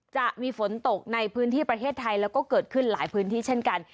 จะมีฝนตกในพื้นที่ประเทศไทยแล้วก็เกิดขึ้นหลายพื้นที่เช่นกัน